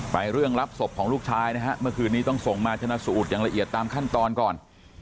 เรื่องรับศพของลูกชายนะฮะเมื่อคืนนี้ต้องส่งมาชนะสูตรอย่างละเอียดตามขั้นตอนก่อน